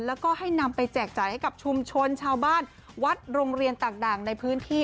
แล้วก็ให้นำไปแจกจ่ายให้กับชุมชนชาวบ้านวัดโรงเรียนต่างในพื้นที่